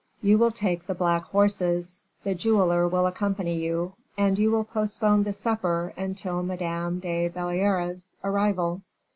You will take the black horses: the jeweler will accompany you; and you will postpone the supper until Madame de Belliere's arrival."